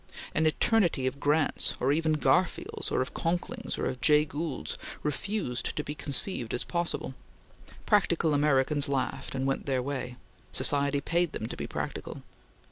An eternity of Grants, or even of Garfields or of Conklings or of Jay Goulds, refused to be conceived as possible. Practical Americans laughed, and went their way. Society paid them to be practical.